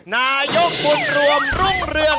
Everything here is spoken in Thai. นายกบุญรวมรุ่งเรือง